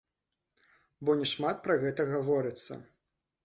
Бо няшмат пра гэта гаворыцца.